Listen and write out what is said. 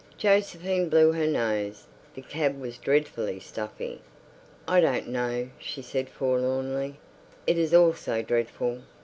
Josephine blew her nose; the cab was dreadfully stuffy. "I don't know," she said forlornly. "It is all so dreadful.